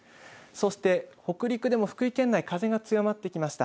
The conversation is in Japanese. そして北陸でも福井県内、風が強まってきました。